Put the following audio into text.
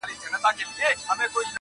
o زه په تنهايي کي لاهم سور یمه,